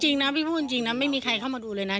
ก็ยังดียังมีคนเห็นกันมา